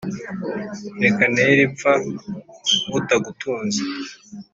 reka ntere ipfa utagutunze,